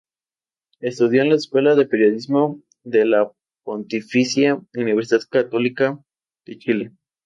Estudió en la Escuela de Periodismo de la Pontificia Universidad Católica de Chile.